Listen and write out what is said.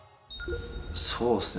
そうですね